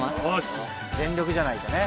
全力じゃないとね。